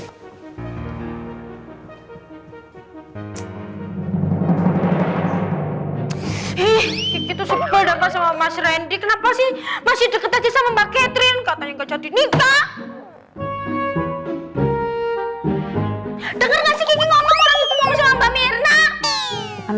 ih itu sepeda pasal mas rendy kenapa sih masih deket aja sama mbak catherine katanya jadi nikah